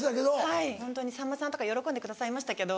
はいホントにさんまさんとか喜んでくださいましたけど。